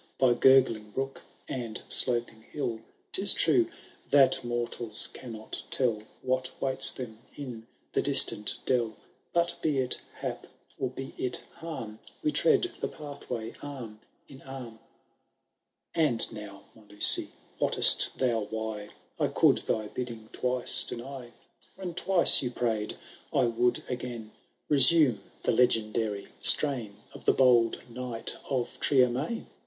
By gurgling brook and sloping hill. TTis true, that mortals cannot tell What waits them in the distant dell ; But be it hap, or be it harm. We tread the pathiray arm in arm. IV. And now, my Lucy, wotVt thou why I could thy bidding twice deny. $4 THB BRIDAL OP T11IERM4XN. ContO III. When twice you pray'd I would again Resume the legendary strain Of the bold Knight of Triermain